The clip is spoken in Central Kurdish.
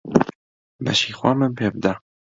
بەشی خۆمم پێ بدە.